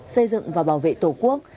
xây dựng và bảo vệ tổ quốc